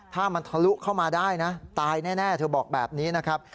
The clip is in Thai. ถ้ามันทะลุเข้ามาได้นะตายแน่เธอบอกแบบนี้นะครับ